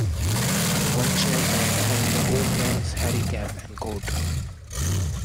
On one chair-back hang the old man's hairy cap and coat.